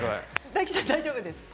大吉さん、大丈夫ですか？